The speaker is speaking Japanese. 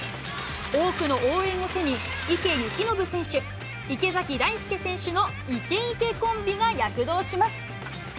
多くの応援を背に、池透暢選手、池崎大輔選手のイケイケコンビが躍動します。